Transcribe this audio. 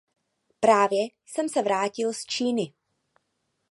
Právě jsem se vrátil z Číny.